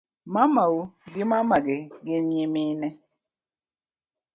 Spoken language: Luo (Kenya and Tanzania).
Mamau gi mamagi gin nyimine